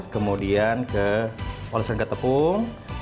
kemudian ke oleskan ke tepung